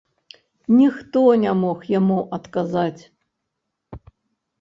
Ніхто не мог яму адказаць.